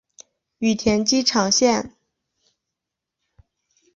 羽田机场线